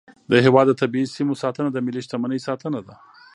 د هیواد د طبیعي سیمو ساتنه د ملي شتمنۍ ساتنه ده.